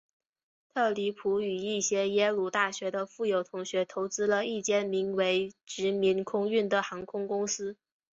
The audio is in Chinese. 特里普与一些耶鲁大学的富有同学投资了一间名为殖民空运的航空公司。